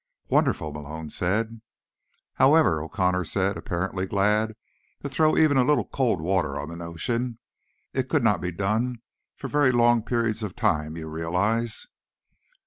"Wonderful," Malone said. "However," O'Connor said, apparently glad to throw even a little cold water on the notion, "it could not be done for very long periods of time, you realize."